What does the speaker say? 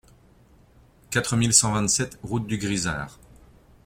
quatre mille cent vingt-sept route du Grisard